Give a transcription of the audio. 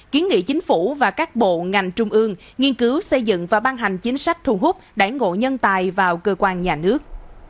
kiến nghị chính phủ và các bộ ngành trung ương nghiên cứu xây dựng và ban hành chính sách thu hút đại ngộ nhân tài vào cơ quan nhà nước